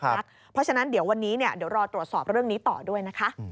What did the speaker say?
เพราะฉะนั้นเดี๋ยววันนี้เดี๋ยวรอตรวจสอบเรื่องนี้ต่อด้วยนะคะ